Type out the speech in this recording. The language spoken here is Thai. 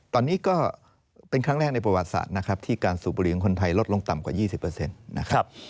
ตอนนี้ก็เป็นครั้งแรกในประวัติศาสตร์นะครับที่การสูบบุหรี่ของคนไทยลดลงต่ำกว่า๒๐นะครับ